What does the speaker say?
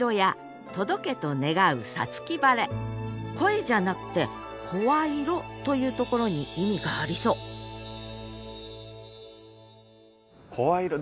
声じゃなくて「声色」というところに意味がありそう「声色」